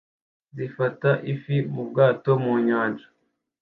zifata ifi mubwato mu nyanja